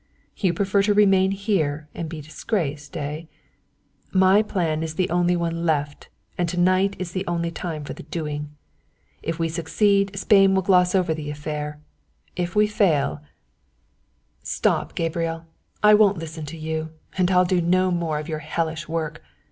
"So you prefer to remain here and be disgraced, eh? My plan is the only one left and to night is the only time for the doing. If we succeed Spain will gloss over the affair; if we fail " "Stop, Gabriel, I won't listen to you, and I'll do no more of your hellish work.